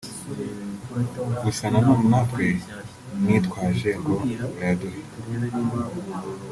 gusa nanone natwe ntitwaje ngo bayaduhe